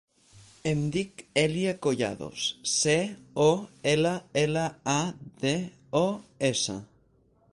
Em dic Èlia Collados: ce, o, ela, ela, a, de, o, essa.